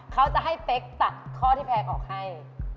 เขาจะให้เป๊กตัดข้อที่แพงออกให้